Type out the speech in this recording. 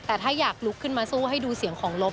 แต่ถ้าอยากลุกขึ้นมาสู้ให้ดูเสียงของลบ